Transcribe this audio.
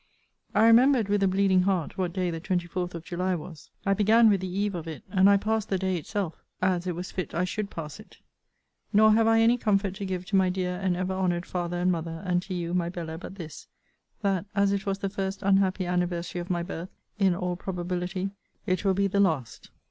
I remembered with a bleeding heart what day the 24th of July was. I began with the eve of it; and I passed the day itself as it was fit I should pass it. Nor have I any comfort to give to my dear and ever honoured father and mother, and to you, my Bella, but this that, as it was the first unhappy anniversary of my birth, in all probability, it will be the last.